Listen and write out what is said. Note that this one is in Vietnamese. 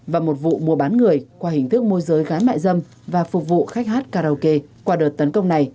và một vụ mua bán người qua hình thức môi giới gái mại dâm và phục vụ khách hát karaoke qua đợt tấn công này